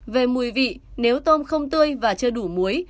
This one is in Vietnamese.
về mùi vị nếu tôm không tươi và chưa đủ muối